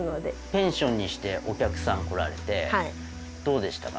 ペンションにしてお客さん来られてどうでしたか？